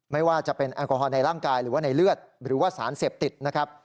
ไม่ว่าจะเป็นแอลกอฮอลในร่างกายหรือว่าในเลือดหรือว่าสารเสพติดนะครับ